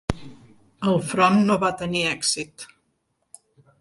El front no va tenir èxit.